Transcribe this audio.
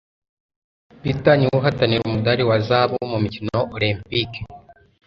Peter niwe uhatanira umudari wa zahabu mu mikino Olempike